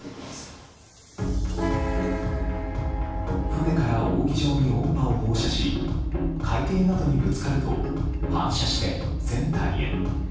船から扇状に音波を放射し海底などにぶつかると反射して船体へ。